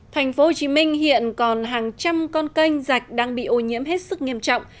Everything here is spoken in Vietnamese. thành phố hồ chí minh hiện còn hàng trăm con canh rạch đang bị ô nhiễm hết sức nghiêm trọng